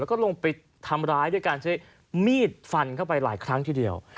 แล้วก็ลงไปทำร้ายด้วยการใช้มีดฟันเข้าไปหลายครั้งทีเดียว